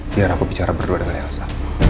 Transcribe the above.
biar aku bicara berdua dengan elsa